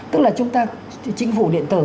tức là chúng ta chính phủ điện tử